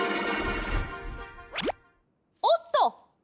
おっと！